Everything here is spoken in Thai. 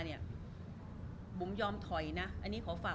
รูปนั้นผมก็เป็นคนถ่ายเองเคลียร์กับเรา